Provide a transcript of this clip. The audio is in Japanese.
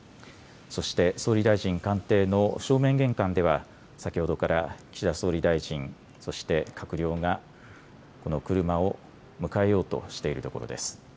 そして総理大臣官邸の正面玄関では先ほどから岸田総理大臣、そして閣僚がこの車を迎えようとしているところです。